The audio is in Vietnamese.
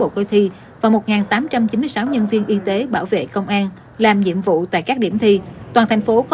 cảm ơn các bạn